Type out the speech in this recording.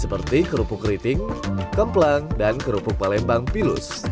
seperti kerupuk keriting kemplang dan kerupuk palembang pilus